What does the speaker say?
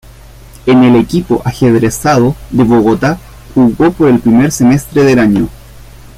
En el equipo "Ajedrezado" de Bogotá, jugó por el primer semestre del año.